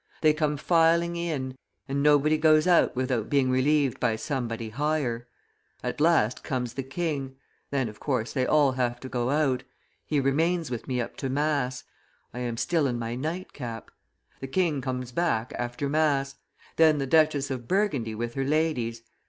They come filing in, and nobody goes out without being relieved by somebody higher. At last comes the king; then, of course, they all have to go out; he remains with me up to mass. I am, still in my night cap. The king comes back after mass; then the Duchess of Burgundy with her ladies.